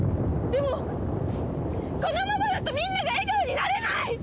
でもこのままだとみんなが笑顔になれない！